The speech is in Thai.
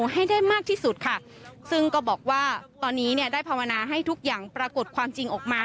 ให้ได้มากที่สุดค่ะซึ่งก็บอกว่าตอนนี้เนี่ยได้ภาวนาให้ทุกอย่างปรากฏความจริงออกมา